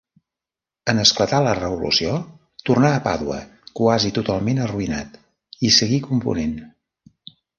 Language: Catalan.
En esclatar la Revolució, tornà a Pàdua, quasi totalment arruïnat, i seguí component.